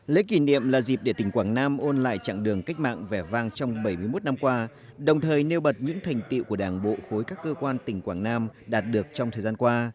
lễ kỷ niệm là dịp để tỉnh quảng nam ôn lại chặng đường cách mạng vẻ vang trong bảy mươi một năm qua đồng thời nêu bật những thành tiệu của đảng bộ khối các cơ quan tỉnh quảng nam đạt được trong thời gian qua